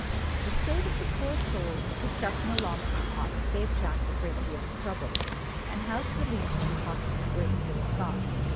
The state of the poor souls cooped up in the lobster pots gave Jack a great deal of trouble, and how to release them cost him a great deal of thought.